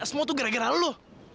semua tuh gara gara lu